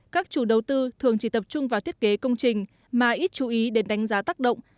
các chủ đầu tư thường chỉ tập trung vào thiết kế công trình mà ít chú ý đến đánh giá tác động